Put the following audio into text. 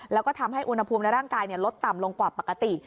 แล้วก็ทำให้อุณหภูมิในร่างกายลดต่ำลงกว่าปกติ